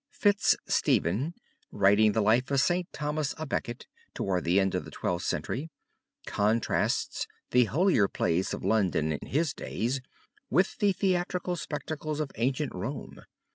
Fitz Stephen, writing the life of St. Thomas a Becket, towards the end of the Twelfth Century, contrasts the holier plays of London in his days with the theatrical spectacles of ancient Rome.